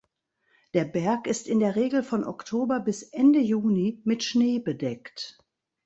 Der Berg ist in der Regel von Oktober bis Ende Juni mit Schnee bedeckt.